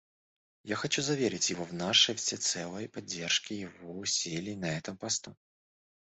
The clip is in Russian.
Я хочу заверить его в нашей всецелой поддержке его усилий на этом посту.